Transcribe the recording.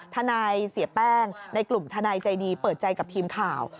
ทนายเสียแป้งในกลุ่มทนายใจดีเปิดใจกับทีมข่าว